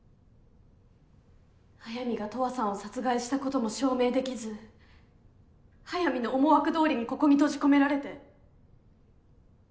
速水が十和さんを殺害したことも証明できず速水の思惑通りにここに閉じ込められて。